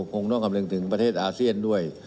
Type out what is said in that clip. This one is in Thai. คงต้องคำนึงถึงประเทศอาเซียนด้วย